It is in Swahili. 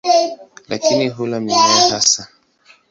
Lakini hula mimea hasa.